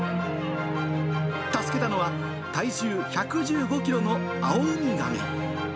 助けたのは体重１１５キロのアオウミガメ。